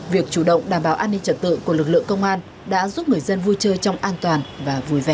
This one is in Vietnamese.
việc chủ động đảm bảo an ninh trật tự của lực lượng công an đã giúp người dân vui chơi trong an toàn và vui vẻ